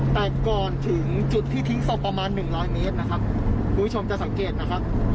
แต่ก่อนถึงจุดที่ทิ้งศพประมาณหนึ่งร้อยเมตรนะครับคุณผู้ชมจะสังเกตนะครับ